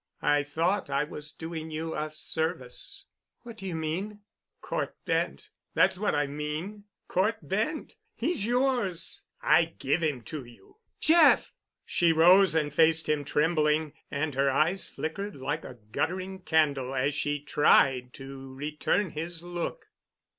I thought I was doing you a service." "What do you mean?" "Cort Bent. That's what I mean. Cort Bent. He's yours. I give him to you." "Jeff!" She rose and faced him, trembling, and her eyes flickered like a guttering candle, as she tried to return his look.